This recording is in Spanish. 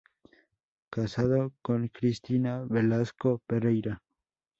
Casado con Cristina Velasco Pereira.